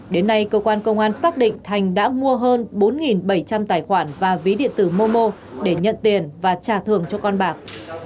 đến nay cơ quan công an xác định thành đã mua hơn bốn bảy trăm linh tài khoản và ví điện tử momo để nhận tiền và trả thường cho con bạc